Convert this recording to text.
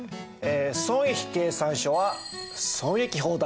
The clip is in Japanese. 損益計算書は損益法だ。